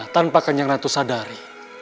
tanpa kanjeng ratu sadari